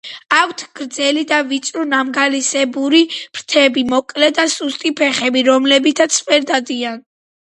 აქვთ გრძელი და ვიწრო ნამგლისებური ფრთები, მოკლე და სუსტი ფეხები, რომლებითაც ვერ დადიან.